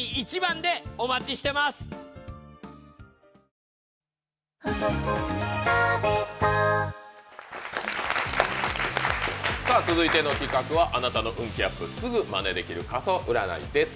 そこで今回は続いての企画はあなたの運気アップ、すぐまねできる家相占いです。